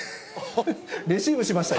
レシーブしましたよ。